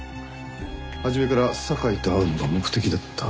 初めから酒井と会うのが目的だった。